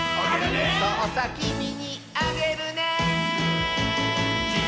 「そうさきみにあげるね」